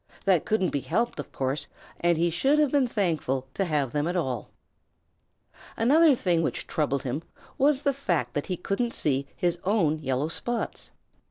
That couldn't be helped, of course, and he should have been thankful to have them at all. Another thing which troubled him was the fact that he couldn't see his own yellow spots.